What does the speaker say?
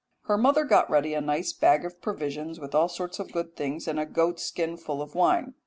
Her mother got ready a nice basket of provisions with all sorts of good things, and a goatskin full of wine.